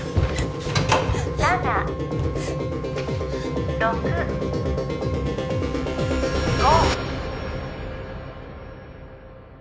８７６５